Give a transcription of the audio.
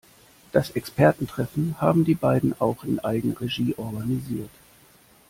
Das Expertentreffen haben die beiden auch in Eigenregie organisiert.